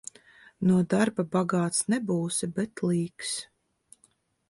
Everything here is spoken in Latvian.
No darba bagāts nebūsi, bet līks.